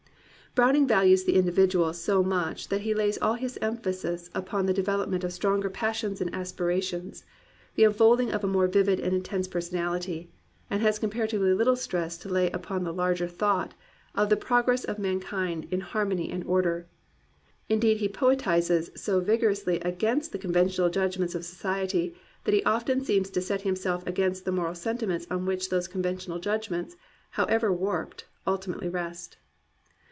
Browning values the individual so much that he lays all his emphasis upon the development of stronger passions and aspirations, the unfolding of a more vivid and intense personality, and has com paratively little stress to lay upon the larger thought of the progress of mankind in harmony and order. Indeed he poetizes so vigorously against the con ventional judgments of society that he often seems to set himself against the moral sentiments on which those conventional judgments, however warped, ultimately rest.